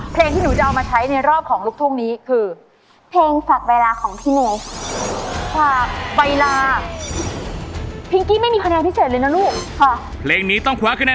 เพลงที่หนูจะเอามาใช้ในรอบของลูกทูก